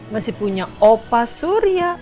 masih punya opa surya